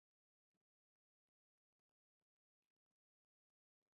平版印刷是基于油和水互斥的原理的手动工艺。